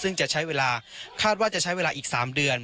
ซึ่งจะใช้เวลาคาดว่าจะใช้เวลาอีก๓เดือน